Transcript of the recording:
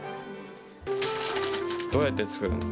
どうやって作るの？